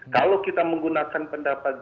kalau kita menggunakan pendapat